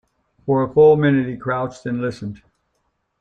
For a full minute he crouched and listened.